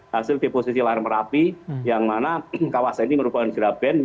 hasil deposisi warna merapi yang mana kawasan ini merupakan geraben